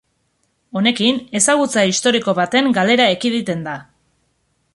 Honekin, ezagutza historiko baten galera ekiditen da.